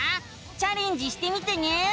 チャレンジしてみてね！